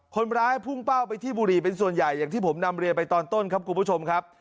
คนร้ายพุ่งเป้าไปที่บุรีเป็นส่วนใหญ่อย่างที่ผมนำเรียนไปตอนต้นครับคุณผู้ชมครับ